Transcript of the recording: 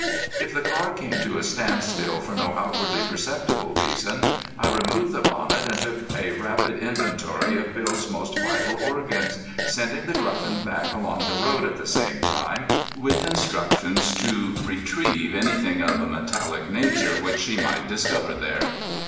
If the car came to a standstill for no outwardly perceptible reason, I removed the bonnet and took a rapid inventory of Bill's most vital organs, sending The Gruffin back along the road at the same time, with instructions to retrieve anything of a metallic nature which she might discover there.